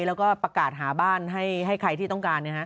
แล้วก็ประกาศหาบ้านให้ใครที่ต้องการ